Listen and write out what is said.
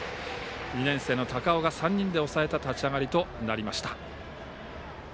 ２年生の高尾が３人で抑えた立ち上がりとなりました。